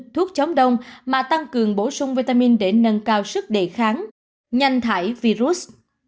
thuốc chống đông mà tăng cường bổ sung vitamin để nâng cao sức đề kháng nhanh thải virus